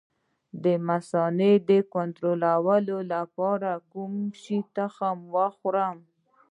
د مثانې د کنټرول لپاره د کوم شي تخم وخورم؟